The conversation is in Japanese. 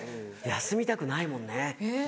休みたくないもんね。